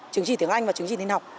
chứng chỉ tiếng anh và chứng chỉ tiếng học